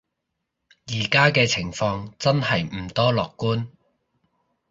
而家嘅情況真係唔多樂觀